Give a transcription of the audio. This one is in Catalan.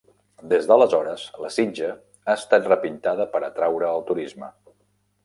Des d'aleshores, la sitja ha estat repintada per atraure el turisme.